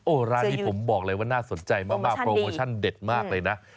ร้านนี้ผมบอกเลยว่าน่าสนใจมากโปรโมชั่นเด็ดมากเลยนะ